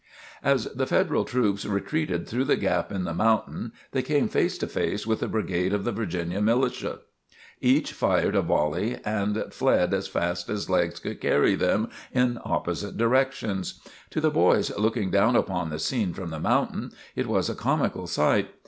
As the Federal troops retreated through the gap in the mountain, they came face to face with a brigade of the Virginia Militia. Each fired a volley and fled as fast as legs could carry them, in opposite directions. To the boys looking down upon the scene from the mountain, it was a comical sight.